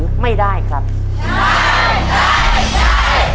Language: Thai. มัดมาได้แล้ว